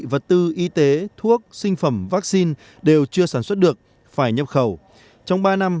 vật tư y tế thuốc sinh phẩm vaccine đều chưa sản xuất được phải nhập khẩu trong ba năm